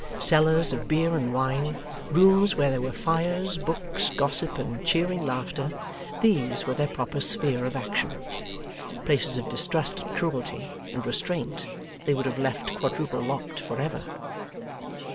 Cellars of beer and wine, rooms where there were fires, books, gossip, and cheering laughter these were their proper sphere of action. Places of distrust and cruelty, and restraint, they would have left quadruple locked for ever.